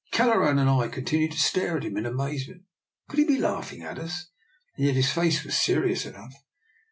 Kelleran and I continued to stare at him in amazement. Could he be laughing at us? And yet his face was serious enough.